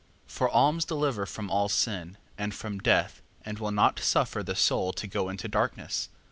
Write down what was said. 4:11. For alms deliver from all sin, and from death, and will not suffer the soul to go into darkness.